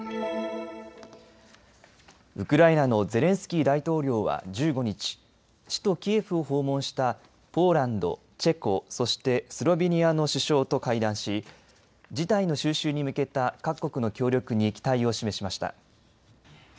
ウクライナのゼレンスキー大統領は１５日、首都キエフを訪問したポーランド、チェコ、そしてスロベニアの首相と会談し事態の収拾に向けた各国の協力に期待を示しました。